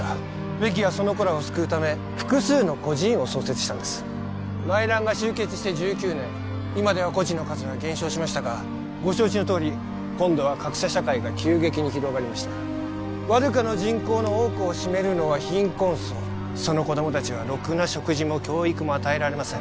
ベキはその子らを救うため複数の孤児院を創設したんです内乱が終結して１９年今では孤児の数は減少しましたがご承知のとおり今度は格差社会が急激に広がりましたバルカの人口の多くを占めるのは貧困層その子供達はろくな食事も教育も与えられません